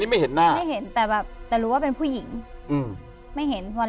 ไม่เห็นค่ะแต่แบบแต่รู้ว่าเป็นผู้หญิงไม่เห็นอันนี้ไม่เห็นหน้า